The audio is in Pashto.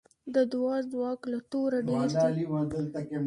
د دعا ځواک له توره ډېر دی.